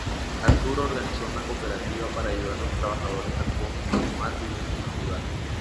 Arturo organizó una cooperativa para ayudar los trabajadores a continuar viviendo en el lugar.